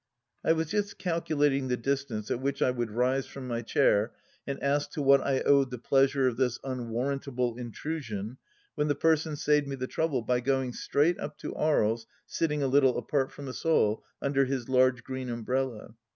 ... I was just calculating the distance at which I would rise from my chair and ask to what I owed the pleasure of this —unwarrantable intrusion — ^when the person saved me the trouble by going straight up to Aries, sitting a little apart from us all under his large green umbrella.